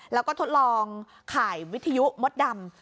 แล้วก็ทดลองข่ายวิทยุมดดำ